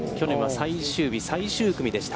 去年は最終日最終組でした。